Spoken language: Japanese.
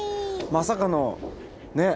まさかのねっ